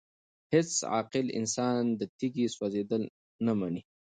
هيڅ عاقل انسان د تيږي سوزيدل نه مني!!